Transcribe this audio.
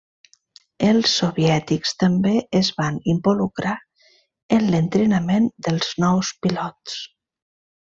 Els soviètics també es van involucrar en l'entrenament dels nous pilots.